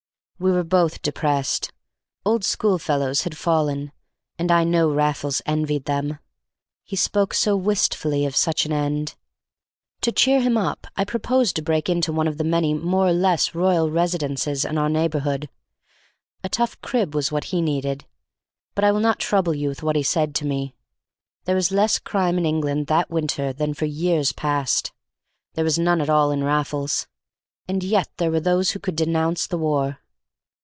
We were both depressed. Old school fellows had fallen, and I know Raffles envied them; he spoke so wistfully of such an end. To cheer him up I proposed to break into one of the many more or less royal residences in our neighborhood; a tough crib was what he needed; but I will not trouble you with what he said to me. There was less crime in England that winter than for years past; there was none at all in Raffles. And yet there were those who could denounce the war!